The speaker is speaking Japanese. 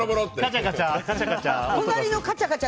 カチャカチャ。